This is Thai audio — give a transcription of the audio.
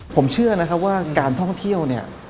ผมเชื่อนะครับว่าการท่องเที่ยวเนี่ย